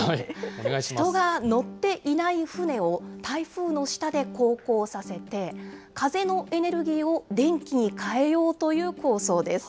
人が乗っていない船を台風の下で航行させて、風のエネルギーを電気に換えようという構想です。